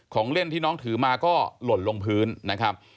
ของเล่นที่น้องถือมาก็หล่นลงพื้นนะครับ